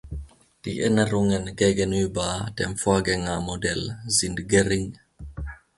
Die Änderungen gegenüber dem Vorgängermodell sind gering.